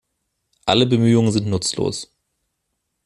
Alle Bemühungen sind nutzlos.